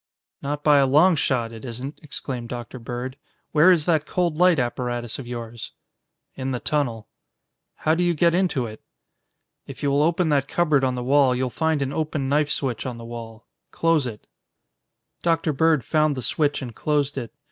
"Not by a long shot, it isn't," exclaimed Dr. Bird. "Where is that cold light apparatus of yours?" "In the tunnel." "How do you get into it?" "If you will open that cupboard on the wall, you'll find an open knife switch on the wall. Close it." Dr. Bird found the switch and closed it.